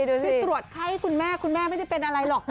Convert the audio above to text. คือตรวจไข้คุณแม่คุณแม่ไม่ได้เป็นอะไรหรอก